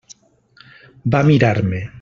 Va mirar-me.